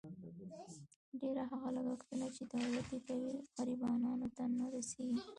ډېر هغه لګښتونه، چې دولت یې کوي، غریبانو ته نه رسېږي.